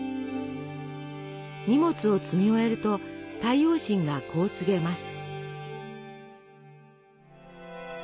荷物を積み終えると太陽神がこう告げます。